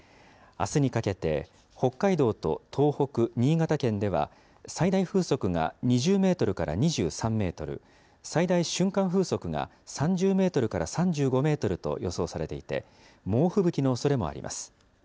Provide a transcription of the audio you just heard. あすにかけて北海道と東北、新潟県では、最大風速が２０メートルから２３メートル、最大瞬間風速が３０メートルから３５メートルと予想されていて、猛吹雪のおそれもあります。